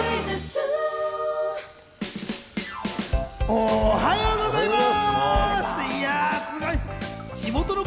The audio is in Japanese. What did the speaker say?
おはようございます。